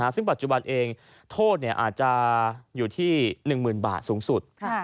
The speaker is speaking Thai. ซึ่งปัจจุบันเองโทษอาจจะอยู่ที่๑๐๐๐บาทสูงสุด